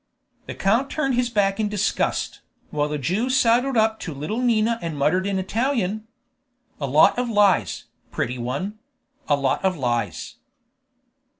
The count turned his back in disgust, while the Jew sidled up to little Nina and muttered in Italian. "A lot of lies, pretty one; a lot of lies!"